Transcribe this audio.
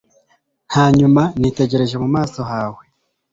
hanyuma nitegereje mu maso hawe